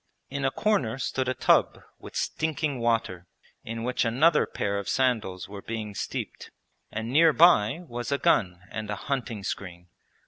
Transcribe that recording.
In a corner stood a tub with stinking water, in which another pair of sandals were being steeped, and near by was a gun and a hunting screen.